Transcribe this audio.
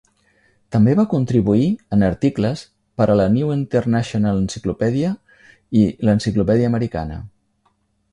També va contribuir en articles per a la "New International Encyclopedia" i l'"Encyclopedia Americana".